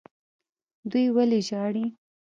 دوی ولې ژاړي.